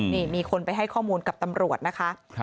นี่มีคนไปให้ข้อมูลกับตำรวจนะคะ